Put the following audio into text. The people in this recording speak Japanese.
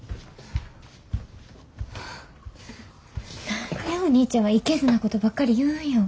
何でお兄ちゃんはいけずなことばっかり言うんよ。